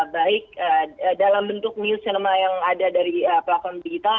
baik dalam bentuk news cinema yang ada dari platform digital